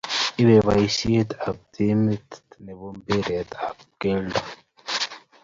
ibei boisie ab timit ne bo mpiret ab kelto